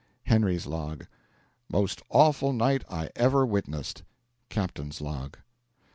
Henry's Log. Most awful night I ever witnessed. Captain's Log.